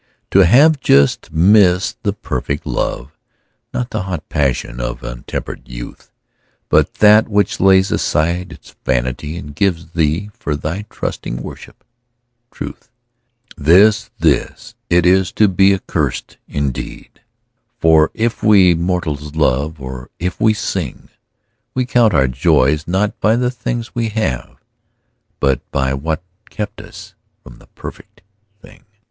To have just missed the perfect love, Not the hot passion of untempered youth, But that which lays aside its vanity And gives thee, for thy trusting worship, truth— This, this it is to be accursed indeed; For if we mortals love, or if we sing, We count our joys not by the things we have, But by what kept us from the perfect thing.